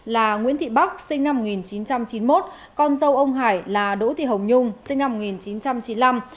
là nguyễn thị bắc sinh năm một nghìn chín trăm chín mươi một con dâu ông hải là đỗ thị hồng nhung sinh năm một nghìn chín trăm chín mươi năm